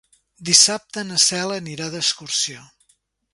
Dissabte na Cel anirà d'excursió.